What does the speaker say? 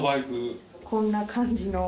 こんな感じの。